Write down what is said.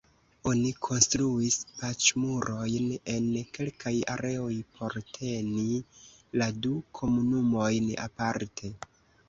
Oni konstruis "Pacmurojn" en kelkaj areoj por teni la du komunumojn aparte.